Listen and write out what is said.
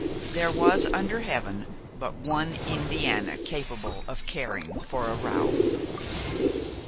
There was under Heaven but one Indiana capable of caring for a Ralph.